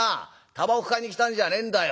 たばこ買いに来たんじゃねえんだよ」。